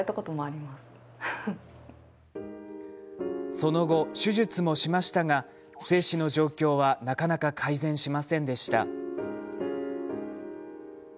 その後、手術もしましたが精子の状況はなかなか改善しませんでした。